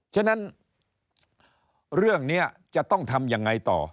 ฉะนั้นเรื่องนี้จะต้องทำยังไงต่อ